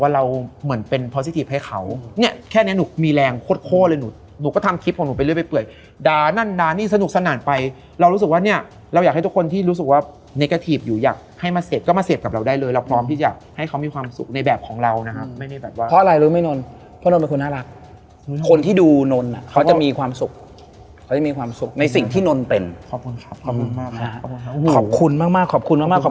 เริ่มขึ้นมาเกลือบกลานขึ้นมา